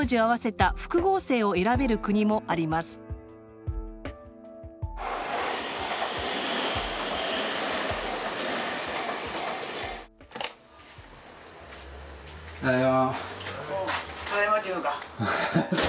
ただいま。